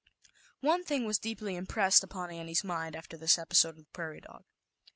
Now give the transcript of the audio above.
^r / Jf One thing was deeply impressed upon Annie's mind after this episode of the prairie dog.